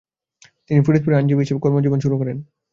তিনি ফরিদপুরে আইনজীবী হিসেবে কর্মজীবন শুরু করেন।